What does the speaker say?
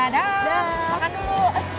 daaah makan dulu